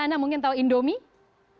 anda mungkin tahu indomie